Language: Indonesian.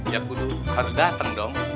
ya kudu harus dateng dong